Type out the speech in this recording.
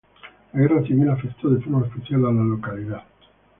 La Guerra Civil afectó de forma especial a la localidad.